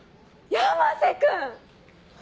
山瀬君！